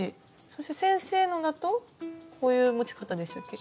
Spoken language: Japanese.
そして先生のだとこういう持ち方でしたっけ。